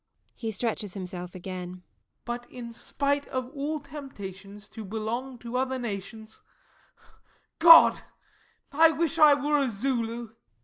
[He stretches himself again.] But in spite of all temptations To belong to other nations [With sudden passion.] God! I wish I were a Zulu!